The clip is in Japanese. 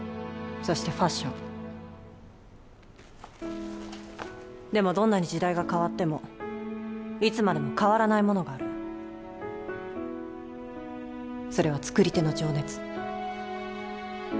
そしてファッションでもどんなに時代が変わってもいつまでも変わらないものがあるそれは作り手の情熱